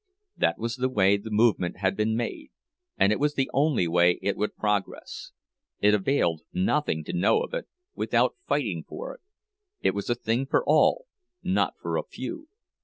That was the way the movement had been made, and it was the only way it would progress; it availed nothing to know of it, without fighting for it—it was a thing for all, not for a few!